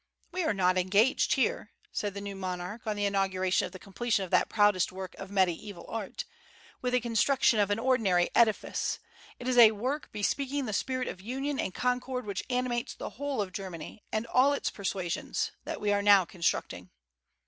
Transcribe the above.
"We are not engaged here," said the new monarch, on the inauguration of the completion of that proudest work of mediaeval art, "with the construction of an ordinary edifice; it is a work bespeaking the spirit of union and concord which animates the whole of Germany and all its persuasions, that we are now constructing."